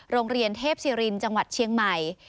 โรงเรียนเทพศิรินจังหวัดเชียงใหม่